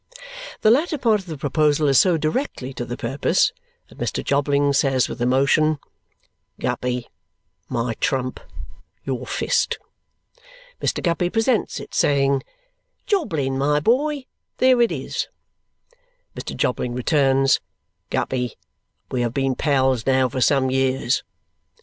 The latter part of the proposal is so directly to the purpose that Mr. Jobling says with emotion, "Guppy, my trump, your fist!" Mr. Guppy presents it, saying, "Jobling, my boy, there it is!" Mr. Jobling returns, "Guppy, we have been pals now for some years!"